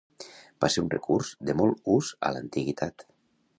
Va ser un recurs de molt ús a l'antiguitat.